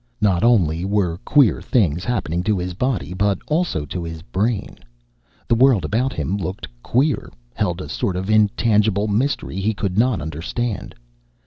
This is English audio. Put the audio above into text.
Not only were queer things happening to his body, but also to his brain. The world about him looked queer, held a sort of an intangible mystery he could not understand.